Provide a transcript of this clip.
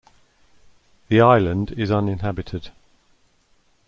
The island is uninhabited.